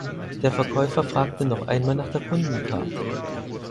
Der Verkäufer fragte noch einmal nach der Kundenkarte.